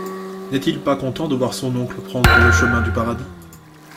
N’est-il pas content de voir son oncle prendre le chemin du paradis?